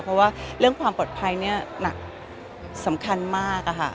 เพราะว่าเรื่องความปลอดภัยเนี่ยหนักสำคัญมาก